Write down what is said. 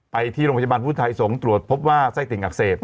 ไปที่โรงพยาบาลพุทธไทยสงฆ์ตรวจพบว่าไส้ติ่งอักเสบ